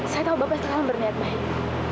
saya tahu bapak selalu berniat baik